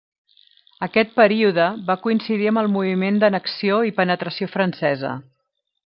Aquest període va coincidir amb el moviment d'annexió i penetració francesa.